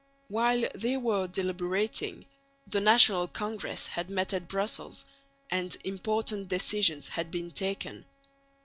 While they were deliberating, the National Congress had met at Brussels, and important decisions had been taken.